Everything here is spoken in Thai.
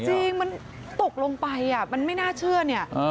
จริงมันตกลงไปมันไม่น่าเชื่อเนี่ย